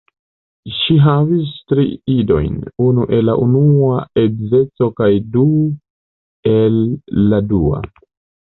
Ŝi havis tri idojn: unu el la unua edzeco kaj du el la dua.